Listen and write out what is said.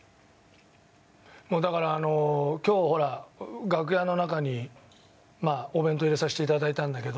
だからあの今日ほら楽屋の中にお弁当入れさせて頂いたんだけど。